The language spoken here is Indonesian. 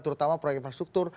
terutama proyek infrastruktur